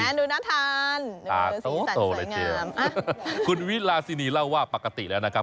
ดูน่าทานโตเลยทีเดียวคุณวิลาซินีเล่าว่าปกติแล้วนะครับ